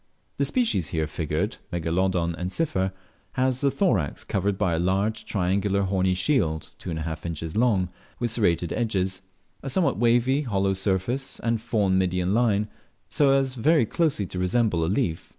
The species here figured (Megalodon ensifer) has the thorax covered by a large triangular horny shield, two and a half inches long, with serrated edges, a somewhat wavy, hollow surface, and a faun median line, so as very closely to resemble a leaf.